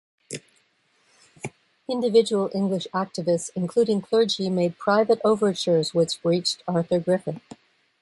Individual English activists, including clergy, made private overtures which reached Arthur Griffith.